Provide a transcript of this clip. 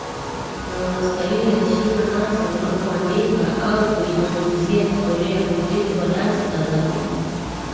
Na unastahili heshima hasa unapoandika au kuizungumzia historia ya muziki wa dansi Tanzania